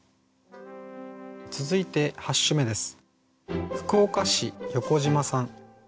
続いて８首目です。